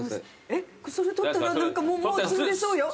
えっそれ取ったら何かもうつぶれそうよ。